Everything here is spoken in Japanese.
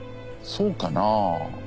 そうかな。